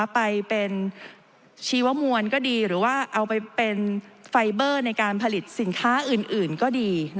ไปเป็นชีวมวลก็ดีหรือว่าเอาไปเป็นไฟเบอร์ในการผลิตสินค้าอื่นก็ดี